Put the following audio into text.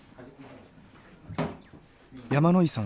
山野井さん